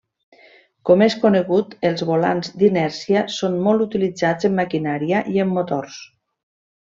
Com és conegut els volants d'inèrcia són molt utilitzats en maquinària i en motors.